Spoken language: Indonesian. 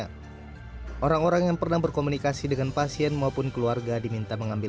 hai orang orang yang pernah berkomunikasi dengan pasien maupun keluarga diminta mengambil